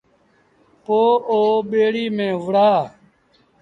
پوء او ٻيڙيٚ ميݩ وهُڙآ